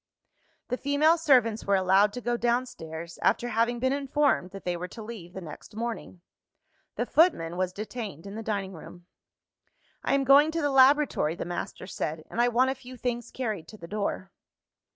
The female servants were allowed to go downstairs; after having been informed that they were to leave the next morning. The footman was detained in the dining room. "I am going to the laboratory," the master said; "and I want a few things carried to the door."